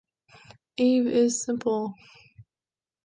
Eave is simple.